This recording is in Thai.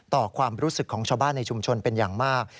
ต่อความรู้สึกของชาวบ้านในชุมชนเป็นอย่างมาก